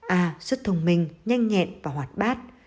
a rất thông minh nhanh nhẹn và hoạt bát